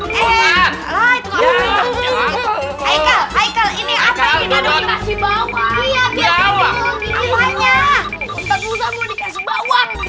kita juga punya bawah